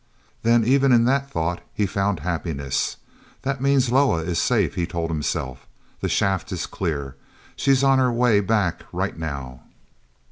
Then, even in that thought, he found happiness. "That means that Loah is safe," he told himself. "The shaft is clear; she's on her way back right now."